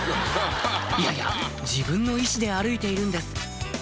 いやいや自分の意思で歩いているんです